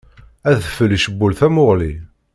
Adfel icewwel tamuɣli.